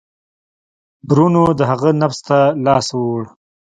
برونو د هغه نبض ته لاس ووړ.